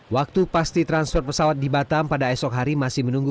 waktu pasti transfer pesawat di batam pada esok hari masih menunggu